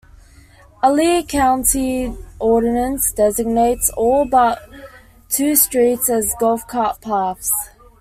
A Lee County ordinance designates all but two streets as golf cart paths.